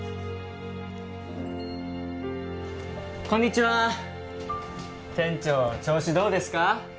こんにちは店長調子どうですか？